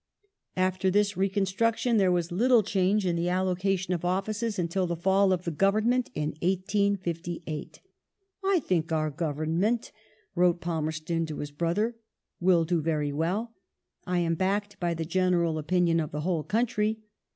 After this reconstruction there was little change in the allocation of offices until the fall of the Government in 1858. " I think our Government," wrote Palmerston to his brother, " will do very well. I am backed by the general opinion of the whole country.